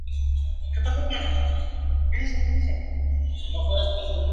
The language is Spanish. Esta obra y sus derivados, han visto la luz para la Gloria de Dios.